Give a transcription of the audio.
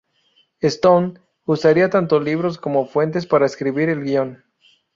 Stone usaría tanto libros como fuentes para escribir el guión.